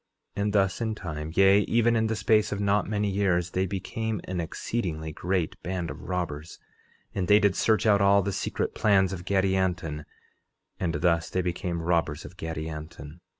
11:26 And thus in time, yea, even in the space of not many years, they became an exceedingly great band of robbers; and they did search out all the secret plans of Gadianton; and thus they became robbers of Gadianton.